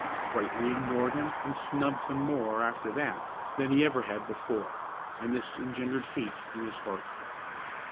Brightly ignored him and snubbed him more after that than he ever had before, and this engendered hate in his heart.